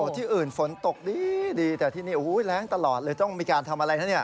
ที่อื่นฝนตกดีแต่ที่นี่แรงตลอดเลยต้องมีการทำอะไรนะเนี่ย